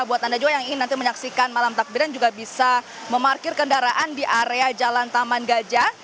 buat anda juga yang ingin nanti menyaksikan malam takbiran juga bisa memarkir kendaraan di area jalan taman gajah